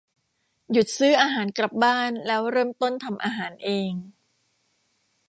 หยุดซื้ออาหารกลับบ้านแล้วเริ่มต้นทำอาหารเอง